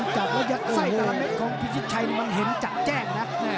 จับแล้วใส่ตาละเม็ดของพี่ชิคชัยมันเห็นจัดแจ้งนะ